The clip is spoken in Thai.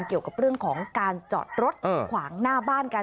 เกี่ยวกับเรื่องของการจอดรถขวางหน้าบ้านกัน